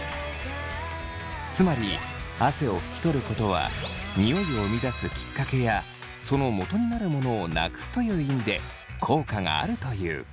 つまり汗を拭き取ることはニオイを生み出すきっかけやそのもとになるものをなくすという意味で効果があるという。